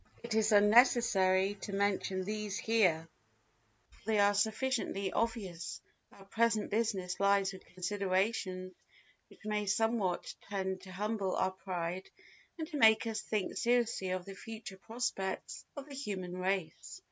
It is unnecessary to mention these here, for they are sufficiently obvious; our present business lies with considerations which may somewhat tend to humble our pride and to make us think seriously of the future prospects of the human race.